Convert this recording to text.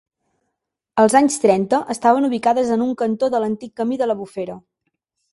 Als anys trenta estaven ubicades en un cantó de l'antic camí de la Bufera.